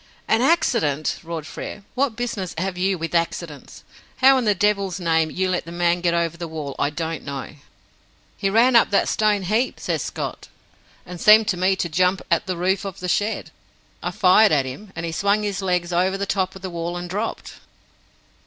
"An accident!" roared Frere. "What business have you with accidents? How, in the devil's name, you let the man get over the wall, I don't know." "He ran up that stone heap," says Scott, "and seemed to me to jump at the roof of the shed. I fired at him, and he swung his legs over the top of the wall and dropped."